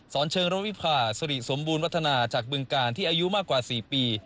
สอนเชิงระวิพาสริสมบูรณวัฒนาจากบึงกาลที่อายุมากกว่า๔ปี